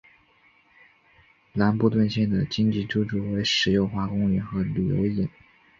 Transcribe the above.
兰布顿县的经济支柱为石油化工业和旅游业。